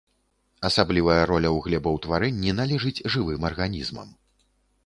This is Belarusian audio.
Асаблівая роля ў глебаўтварэнні належыць жывым арганізмам.